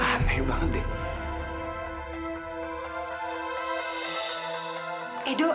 aneh banget deh